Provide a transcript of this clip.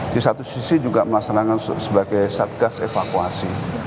di satu sisi juga melaksanakan sebagai satgas evakuasi